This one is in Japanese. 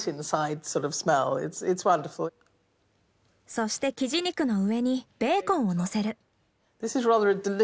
そしてキジ肉の上にベーコンをのせる。